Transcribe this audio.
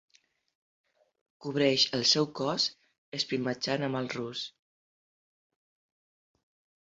Cobreix el seu cos esprimatxat amb el rus.